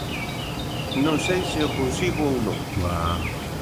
Non sei se o consigo ou non.